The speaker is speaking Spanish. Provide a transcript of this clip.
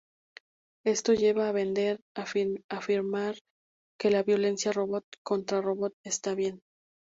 Esto lleva a Bender a afirmar que la violencia robot contra robot está bien.